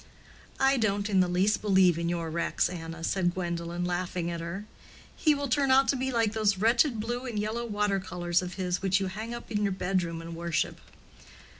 "I don't in the least believe in your Rex, Anna," said Gwendolen, laughing at her. "He will turn out to be like those wretched blue and yellow water colors of his which you hang up in your bedroom and worship."